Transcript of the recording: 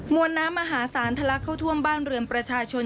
วนน้ำมหาศาลทะลักเข้าท่วมบ้านเรือนประชาชน